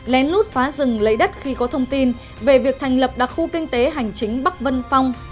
lén lút phá rừng lấy đất khi có thông tin về việc thành lập đặc khu kinh tế hành chính bắc vân phong